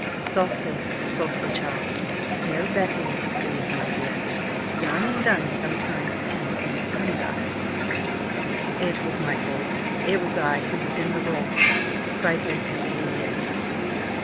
"Softly! softly, Charles! No betting, if you please, my dear. Done and done sometimes ends in undone." "It was my fault it was I who was in the wrong," cried Vincent immediately.